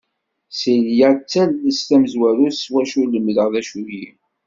Silya d tallest tamezwarut s wacu i lemdeɣ d acu-yi.